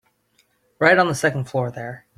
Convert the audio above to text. Right on the second floor there.